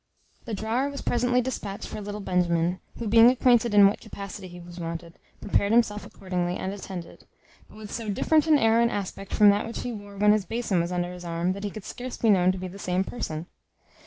The drawer was presently dispatched for Little Benjamin, who being acquainted in what capacity he was wanted, prepared himself accordingly, and attended; but with so different an air and aspect from that which he wore when his basin was under his arm, that he could scarce be known to be the same person.